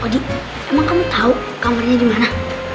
odi emang kamu tau kamarnya gimana